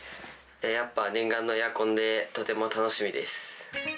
やっぱ、念願のエアコンでとても楽しみです。